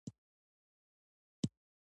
اوړي د افغانستان په ستراتیژیک اهمیت کې رول لري.